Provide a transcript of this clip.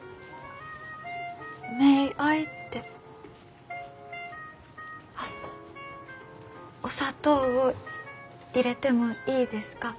メイアイってあっ「お砂糖を入れてもいいですか？」。